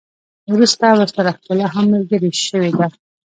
وروسته ورسره ښکلا هم ملګرې شوې ده.